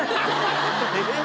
えっ？